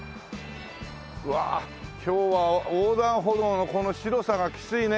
うわあ今日は横断歩道のこの白さがきついね。